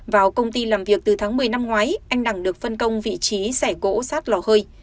vào công ty làm việc từ tháng một mươi năm ngoái anh đẳng được phân công vị trí rẻ gỗ sát lò hơi